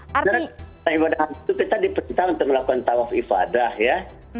karena ibadah haji itu kita diputihkan untuk melakukan tawaf ifadah ya